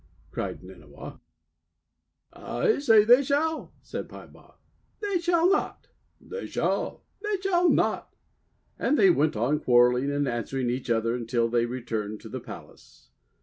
cried Nynniaw. 'I say they shall," said Peibaw. "They shall not 5" "They shall!" "They shall not!" And they went on quarrelling and answering each other until they returned to the palace.